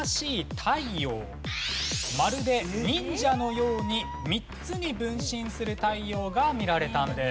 まるで忍者のように３つに分身する太陽が見られたんです。